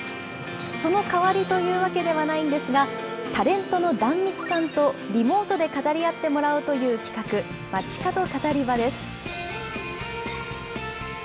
そのかわりというわけではないんですが、タレントの壇蜜さんとリモートで語り合ってもらおうという企画、街角カタリバです。